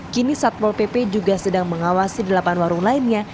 kini satpol pp juga sedang mengawasi delapan warung lainnya